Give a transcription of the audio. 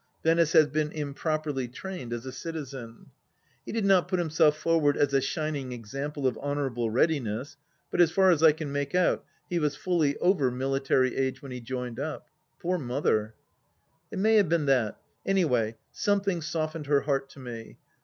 Venice has been improperly trained as a citizen. He did not put himself forward as a shining example of honourable readiness, but, as far as I can make out, he was fully over military age when he joined up. Poor Mother 1 It may have been that ; any way, something softened her heart to me.